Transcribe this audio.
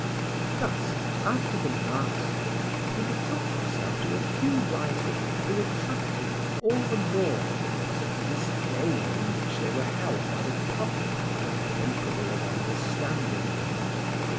Thus, after the masters, he betook himself to a few writers who attracted him all the more because of the disdain in which they were held by the public incapable of understanding them.